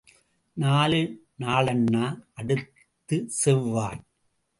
நாலு நாள்னா... அடுத்த செவ்வாய்.